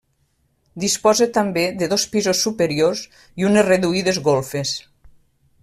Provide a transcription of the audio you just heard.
Disposa també de dos pisos superiors i unes reduïdes golfes.